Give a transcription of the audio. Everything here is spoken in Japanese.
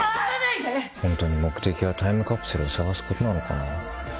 本当に目的はタイムカプセルを探すことなのか。